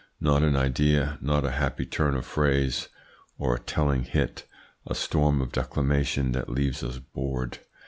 Not an idea, not a happy turn of phrase, or a telling hit: a storm of declamation that leaves us bored.